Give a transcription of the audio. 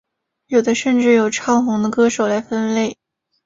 有的甚至由唱红的歌手来分类。